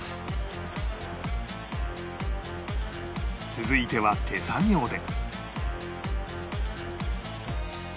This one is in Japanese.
続いては手作業で